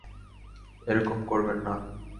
এরকম করবেন না!